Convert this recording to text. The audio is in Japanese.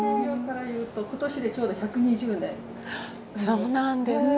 そうなんですね。